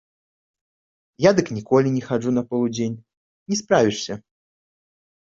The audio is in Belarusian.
Я дык ніколі не хаджу на полудзень, не справішся.